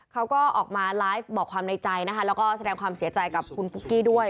เขาก็ออกมาไลฟ์บอกความในใจนะคะแล้วก็แสดงความเสียใจกับคุณปุ๊กกี้ด้วย